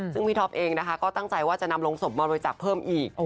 ซึ่งพี่ท็อปเองนะคะก็ตั้งใจว่าจะนำลงศพมาบริจาคเพิ่มอีก